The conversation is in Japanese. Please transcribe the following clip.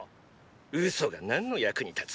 嘘が何の役に立つ。